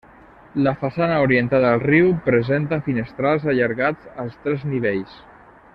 La façana orientada al riu presenta finestrals allargats als tres nivells.